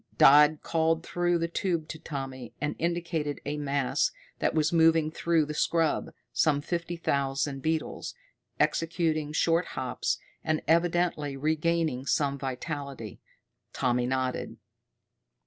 Dodd called through the tube to Tommy, and indicated a mass that was moving through the scrub some fifty thousand beetles, executing short hops and evidently regaining some vitality. Tommy nodded.